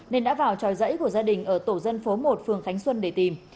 nên đã vào tròi dãy của gia đình ở tổ dân phố một phường khánh xuân để tìm